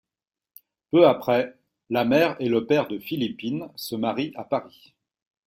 Peu après, la mère et le père de Philippine se marient à Paris.